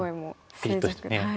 ピリッとしてね。